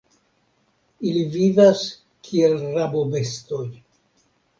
Ili vivas kiel rabobestoj.